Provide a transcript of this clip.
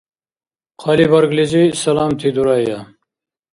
Хъалибарглизи саламти дурая.